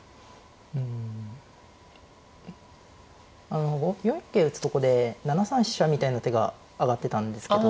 あの４四桂打つとこで７三飛車みたいな手が挙がってたんですけど。